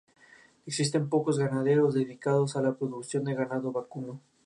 Existen pocos ganaderos dedicados a la producción de ganado vacuno.